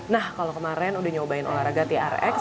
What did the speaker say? nah kalau kemarin udah nyobain olahraga trx